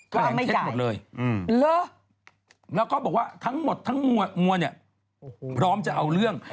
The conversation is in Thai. แถลงเท็จหมดเลยแล้วก็บอกว่าทั้งหมดทั้งมวลมัวเนี่ยพร้อมจะเอาเรื่อง